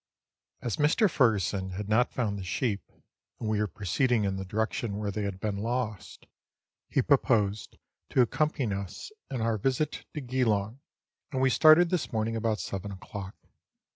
As Mr. Furgesson had not found the sheep, and we were proceeding in the direction where they had been lost, he proposed to accompany us in our visit to Geelong, and we started this morning about seven o'clock.